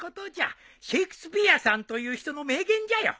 シェイクスピアさんという人の名言じゃよ。